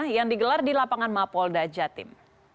yang digelar di lapangan mapolda jatim